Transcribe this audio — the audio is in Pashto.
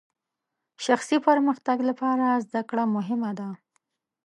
شخصي پرمختګ لپاره زدهکړه مهمه ده.